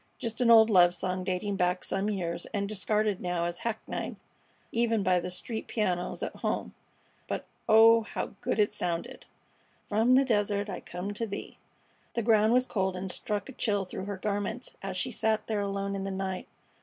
Just an old love song dating back some years and discarded now as hackneyed even by the street pianos at home; but oh, how good it sounded! From the desert I come to thee! The ground was cold, and struck a chill through her garments as she sat there alone in the night.